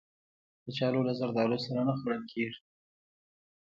کچالو له زردالو سره نه خوړل کېږي